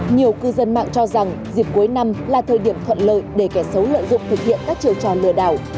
nhiều cư dân mạng cho rằng dịp cuối năm là thời điểm thuận lợi để kẻ xấu lợi dụng thực hiện các chiều trò lừa đảo